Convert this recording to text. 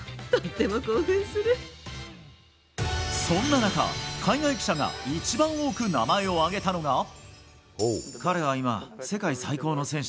そんな中、海外記者が一番多く名前を挙げたのが。